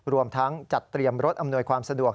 รวมทั้งจัดเตรียมรถอำนวยความสะดวก